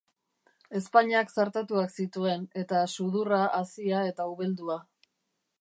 Ezpainak zartatuak zituen, eta sudurra hazia eta ubeldua.